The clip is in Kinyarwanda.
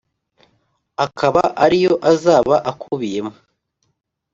akaba ari yo azaba akubiyemo